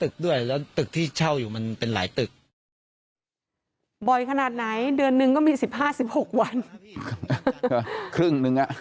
เกือบทุกวัน